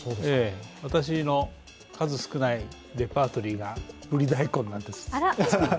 私の数少ないレパートリーがブリ大根なんです。